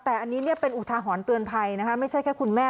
แต่อันนี้เป็นอุทาหรณ์เตือนภัยนะคะไม่ใช่แค่คุณแม่